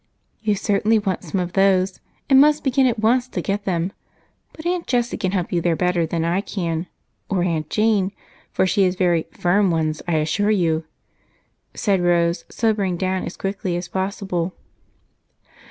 "You certainly want some of those, and must begin at once to get them, but Aunt Jessie can help you there better than I can, or Aunt Jane, for she has very 'firm' ones, I assure you," said Rose, sobering down as quickly as possible.